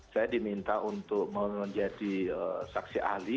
saya diminta untuk menjadi saksi ahli